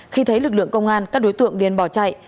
khi thấy lực lượng công an các đối tượng điền bỏ chạy